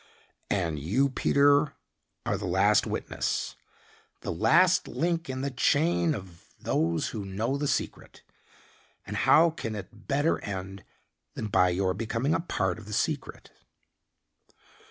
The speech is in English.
And you, Peter, are the last witness, the last link in the chain of those who know the secret, and how can it better end than by your becoming a part of the secret?"